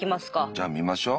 じゃあ見ましょう。